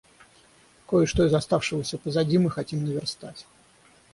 Кое-что из этого оставшегося позади мы хотим наверстать.